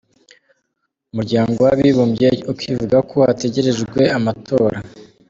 Umuryango w’abibumbye ukivuga ko hategerejwe amatora.